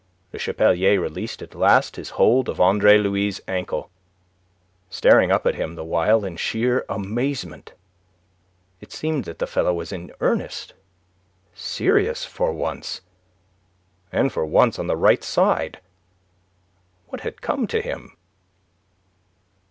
Le Chapelier released at last his hold of Andre Louis' ankle, staring up at him the while in sheer amazement. It seemed that the fellow was in earnest; serious for once; and for once on the right side. What had come to him?